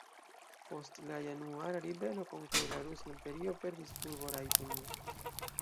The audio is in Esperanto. Post la januara ribelo kontraŭ la Rusa Imperio perdis urborajtojn.